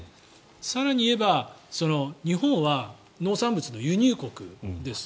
更に言えば日本は農産物の輸入国です。